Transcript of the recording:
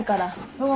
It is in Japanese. そう？